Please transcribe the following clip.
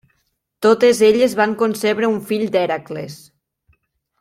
Totes elles van concebre un fill d'Hèracles.